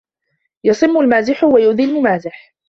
يَصِمُ الْمَازِحَ وَيُؤْذِي الْمُمَازَحَ